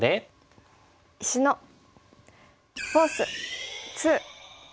「石のフォース２」。